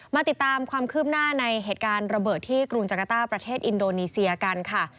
มาติดตามความคืบหน้าในเหตุการณ์ระเบิดที่กรุงจักรต้าประเทศอินโดนีเซียกันค่ะ